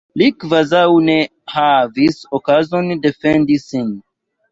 Li kvazaŭ ne havis okazon defendi sin.